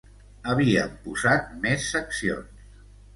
Havien posat més seccions